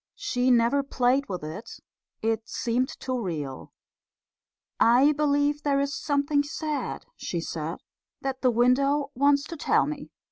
She never played with it. It seemed too real. "I believe there's something sad," she said, "that the window wants to tell me."